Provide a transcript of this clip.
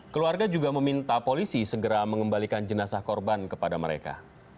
keluarga juga meminta polisi segera mengembalikan jenazah korban kepada mereka